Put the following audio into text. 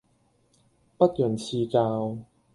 不吝指教